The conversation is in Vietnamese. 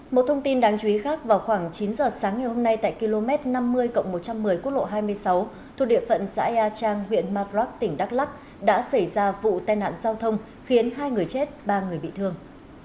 một thông tin đáng chú ý khác vào khoảng chín giờ sáng ngày hôm nay tại km năm mươi một trăm một mươi quốc lộ hai mươi sáu thuộc địa phận xã ea trang huyện macrak tỉnh đắk lắc đã xảy ra vụ tai nạn giao thông khiến hai người chết ba người bị thương